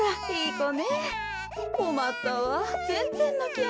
こまったわ。